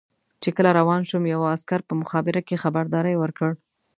چې کله روان شوم یوه عسکر په مخابره کې خبرداری ورکړ.